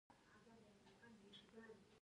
د هلمند په موسی قلعه کې د ګچ نښې شته.